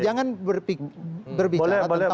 jangan berbicara tentang persifat pak sek saja